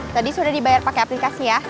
tadi sudah dibayar pakai aplikasi ya